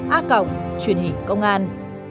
a cộng truyền hình công an